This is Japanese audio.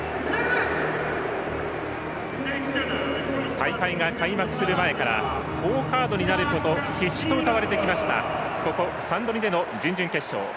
大会が開幕する前から好カードになること必至とうたわれてきました準々決勝。